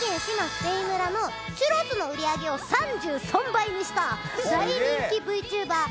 スペイン村のチュロスの売り上げを３３倍にした大人気ＶＴｕｂｅｒサンゴさんですよ！